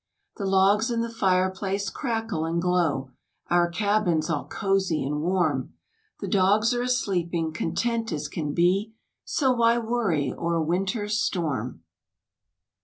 The logs in the fire place crackle and glow— Our cabin's all cozy and warm, The dogs are a sleeping,—content as can be, So why worry o'er winter's storm.